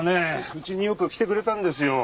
うちによく来てくれたんですよ